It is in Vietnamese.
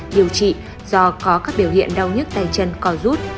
điều trị do có các biểu hiện đau nhất tay chân cỏ rút